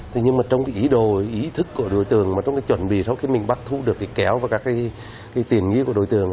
thế nhưng mà trong cái ý đồ ý thức của đối tượng mà trong cái chuẩn bị sau khi mình bắt thu được cái kéo và các cái tiền nghĩa của đối tượng